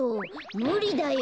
むりだよ。